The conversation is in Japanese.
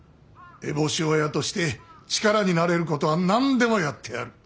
烏帽子親として力になれることは何でもやってやる。